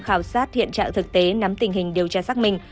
khảo sát hiện trạng thực tế nắm tình hình điều tra xác minh